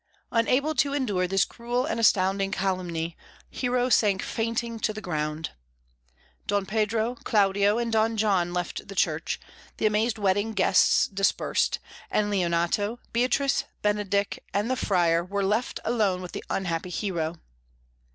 Unable to endure this cruel and astounding calumny, Hero sank fainting to the ground. Don Pedro, Claudio, and Don John left the church; the amazed wedding guests dispersed; and Leonato, Beatrice, Benedick, and the Friar were left alone with the unhappy Hero.